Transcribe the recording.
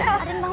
hanya salah satu